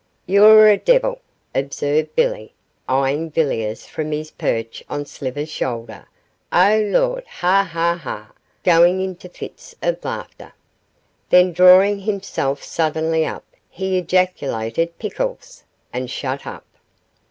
'You're a devil!' observed Billy, eyeing Villiers from his perch on Slivers' shoulder. 'Oh, Lord! ha! ha! ha!' going into fits of laughter; then drawing himself suddenly up, he ejaculated 'Pickles!' and shut up.